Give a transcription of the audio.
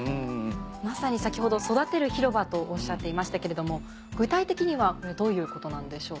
まさに先ほど「育てる広場」とおっしゃっていましたけれども具体的にはどういうことなんでしょうか？